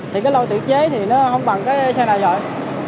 thì cái lô tự chế thì nó không bằng cái xe này rồi